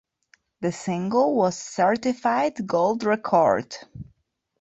The single was certified gold record.